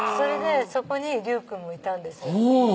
そこに隆くんもいたんです